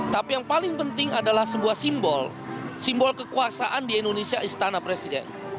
tapi yang paling penting adalah sebuah simbol simbol kekuasaan di indonesia istana presiden